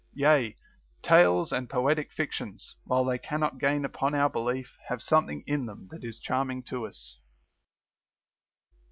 Yea, tales and poetic fictions, while they cannot gain upon our belief, have something in them that is charming to us.